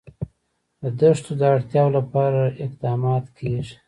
د دښتو د اړتیاوو لپاره اقدامات کېږي.